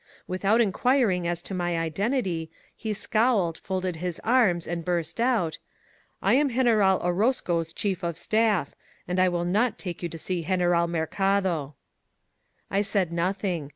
Without inquiring a,s to my identity, he scowled, folded his arms, and burst out: "I am Greneral Orozco's chief of staff, and I will not take yoit to see General Mercado !" ON THE BORDER I said nothing.